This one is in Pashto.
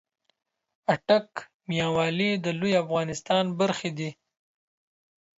آټک ، ميان والي د لويې افغانستان برخه دې